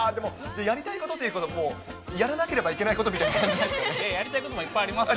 やりたいことってよりはもうやらなければいけないことみたいな感やりたいこともいっぱいありますよ。